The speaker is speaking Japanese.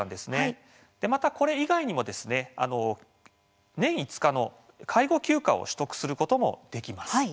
また、これ以外にも年５日の介護休暇を取得することもできます。